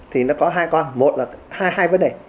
thì nó có hai con một là hai vấn đề